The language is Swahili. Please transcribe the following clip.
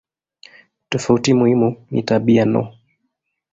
Tofauti muhimu ni tabia no.